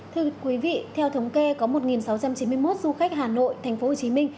thưa quý vị theo thống kê có một sáu trăm chín mươi một du khách hà nội tp hcm